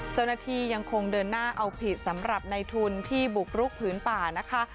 เจ้าหน้าที่ยังคงเดินหน้าเอาผิดสำหรับในทุนที่บุกรุกผืนป่านะคะ